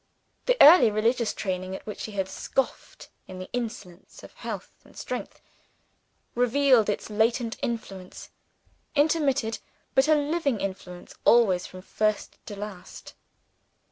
The early religious training, at which she had scoffed in the insolence of health and strength, revealed its latent influence intermitted, but a living influence always from first to last.